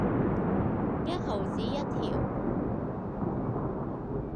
一毫子一條